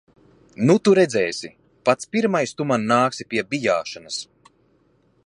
Nu tu redzēsi. Pats pirmais tu man nāksi pie bijāšanas.